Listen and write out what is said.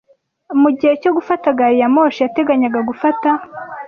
mugihe cyo gufata gari ya moshi yateganyaga gufata.